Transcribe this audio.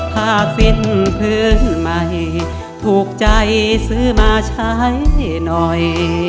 ถ้าสิ้นพื้นใหม่ถูกใจซื้อมาใช้หน่อย